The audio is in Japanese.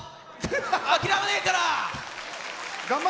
諦めねえから！